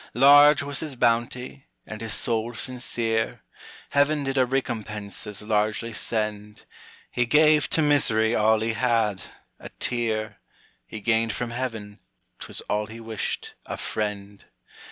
Large was his bounty, and his soul sincere, Heaven did a recompense as largely send; He gave to Misery all he had, a tear, He gained from Heaven ('t was all he wished) a friend.